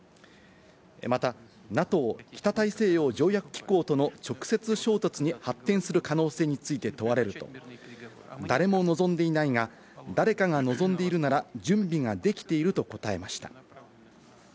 またＮＡＴＯ＝北大西洋条約機構との直接衝突に発展する可能性について問われると、誰も望んでいないが、誰かが望んでいるなら準備ができていると答えました。